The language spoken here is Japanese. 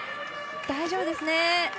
大丈夫ですね。